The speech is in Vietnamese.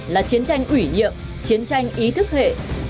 là chiến tranh ủy nhiệm chiến tranh ý thức hệ